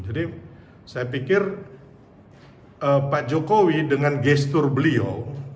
jadi saya pikir pak jokowi dengan gestur beliau